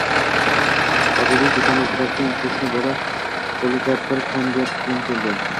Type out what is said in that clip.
Odilbek do'konda o'tirarkan, qo'shni bola qo'lida bir konvert bilan keldi: